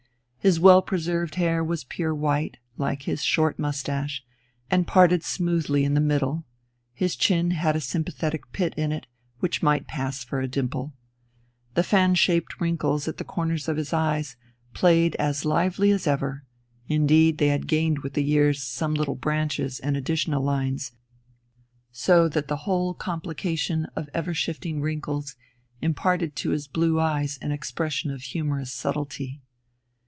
His well preserved hair was pure white, like his short moustache, and parted smoothly in the middle; his chin had a sympathetic pit in it, which might pass for a dimple. The fan shaped wrinkles at the corners of his eyes played as livelily as ever indeed, they had gained with the years some little branches and additional lines, so that the whole complication of ever shifting wrinkles imparted to his blue eyes an expression of humorous subtlety.